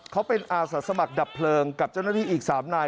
เขาเป็นอาสาสมัครดับเพลิงกับเจ้าหน้าที่อีก๓นาย